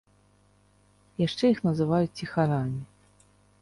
Яшчэ іх называюць ціхарамі.